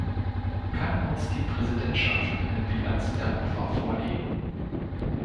Kann uns die Präsidentschaft eine Bilanz der Opfer vorlegen?